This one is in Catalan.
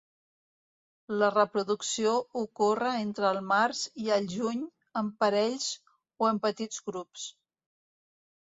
La reproducció ocorre entre el març i el juny en parells o en petits grups.